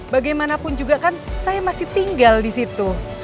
bagaimanapun juga kan saya masih tinggal di situ